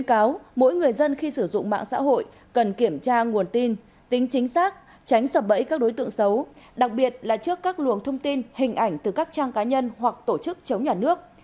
mỗi người dân khi sử dụng mạng xã hội cần kiểm tra nguồn tin tính chính xác tránh sập bẫy các đối tượng xấu đặc biệt là trước các luồng thông tin hình ảnh từ các trang cá nhân hoặc tổ chức chống nhà nước